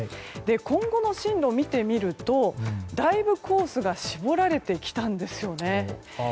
今後の進路を見てみるとだいぶコースが絞られてきたんですよね。